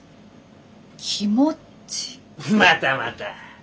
またまた！